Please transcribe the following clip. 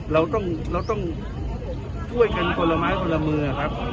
เราต้องช่วยกันคนละไม้คนละมือครับ